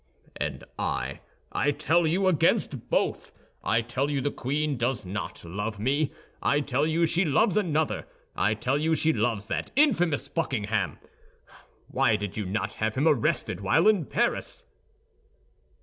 "And I—I tell you against both. I tell you the queen does not love me; I tell you she loves another; I tell you she loves that infamous Buckingham! Why did you not have him arrested while in Paris?"